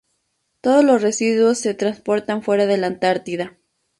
Todos los residuos se transportan fuera de la Antártida.